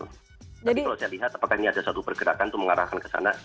tapi kalau saya lihat apakah ini ada satu pergerakan untuk mengarahkan ke sana